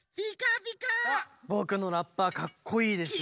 ぼくのラッパかっこいいでしょう。